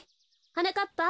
はなかっぱ。